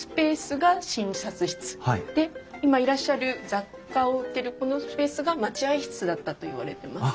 で今いらっしゃる雑貨を売ってるこのスペースが待合室だったといわれてます。